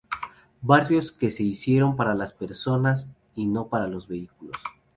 barrios que se hicieron para las personas y no para los vehículos